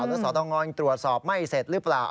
แล้วสตงตรวจสอบไม่เสร็จหรือเปล่า